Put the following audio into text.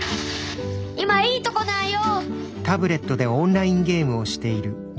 今いいとこなんよ！